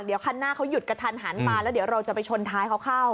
เดี๋ยวคันหน้าเขาหยุดกระทันหันมาแล้วเดี๋ยวเราจะไปชนท้ายเขาเข้า